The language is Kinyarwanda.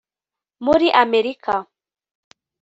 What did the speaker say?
“muri Amerika